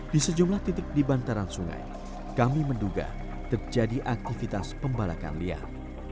di sejumlah titik di bantaran sungai kami menduga terjadi aktivitas pembalakan liar